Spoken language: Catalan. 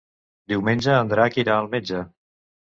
Diumenge en Drac irà al metge.